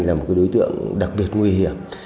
là một đối tượng đặc biệt nguy hiểm